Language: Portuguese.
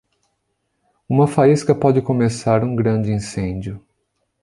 Uma faísca pode começar um grande incêndio.